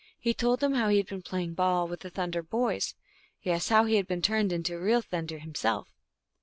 He told them how he had been playing ball with the Thunder boys : yes, how he had been turned into a real Thunder him self.